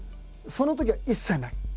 そのときは一切ない。